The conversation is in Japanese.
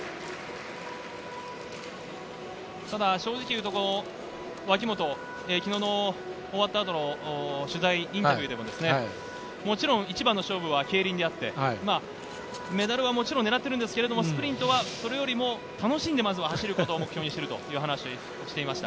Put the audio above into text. ただ脇本、昨日の終わった後の取材のインタビューでも一番の勝負はケイリンであって、メダルはもちろん狙っているんだけれど、スプリントそれよりも楽しんでまずは走ることを目標にするという話をしていました。